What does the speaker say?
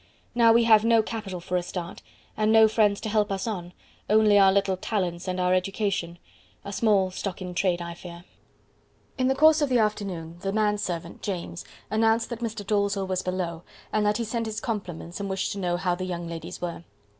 Now we have no capital for a start, and no friends to help us on, only our talents and our education a small stock in trade, I fear." In the course of the afternoon the man servant, James, announced that Mr. Dalzell was below, and that he sent his compliments and wished to know how the young ladies were.